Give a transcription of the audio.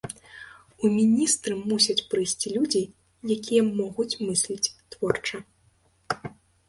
У міністры мусяць прыйсці людзі, якія могуць мысліць творча.